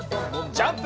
ジャンプ！